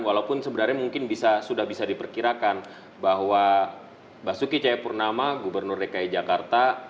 walaupun sebenarnya mungkin sudah bisa diperkirakan bahwa basuki cahayapurnama gubernur dki jakarta